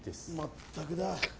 まったくだ